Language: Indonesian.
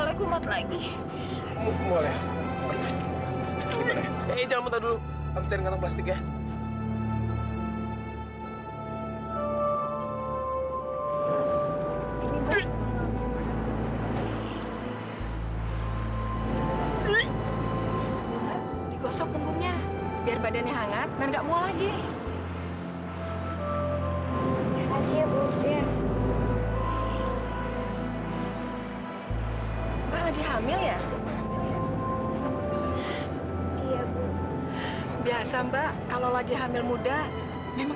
sampai jumpa di video selanjutnya